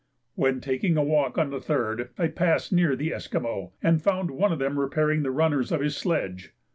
When taking a walk on the 3rd I passed near the Esquimaux, and found one of them repairing the runners of his sledge.